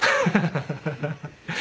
ハハハハ。